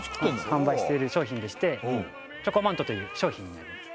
販売している商品でしてチョコマントという商品になります